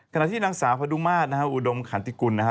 ขณะที่นางสาวพระดุมาตรนะฮะอุดมขันติกุลนะฮะ